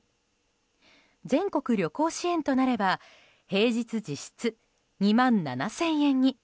全国旅行支援となれば平日実質２万７０００円に。